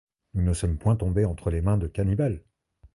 Nous ne sommes point tombés entre les mains de cannibales !